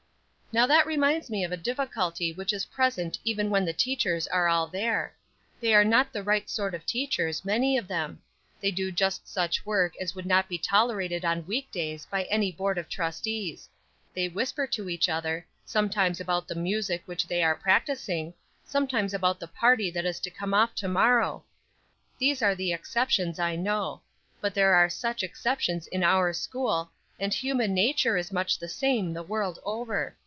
"Now that reminds me of a difficulty which is present even when the teachers are all there. They are not the right sort of teachers, many of them; they do just such work as would not be tolerated on week days by any board of trustees; they whisper to each other; sometimes about the music which they are practicing, sometimes about the party that is to come off to morrow. These are the exceptions, I know; but there are such exceptions in our school, and human nature is much the same the world over.